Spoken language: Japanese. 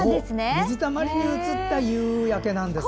水たまりに映った夕焼けだったんですね。